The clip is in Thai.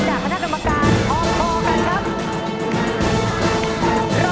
จากคณะกรรมการพอโทรกันครับ